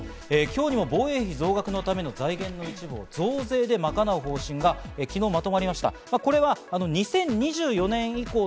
今日にも防衛費増額のための財源の一部を増税で賄う方針が昨日まとまりました。